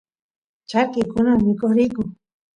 charki kunan mikoq riyku